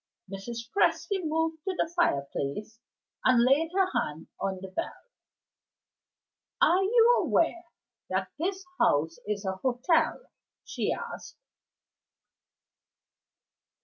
Mrs. Presty moved to the fireplace, and laid her hand on the bell. "Are you aware that this house is a hotel?" she asked.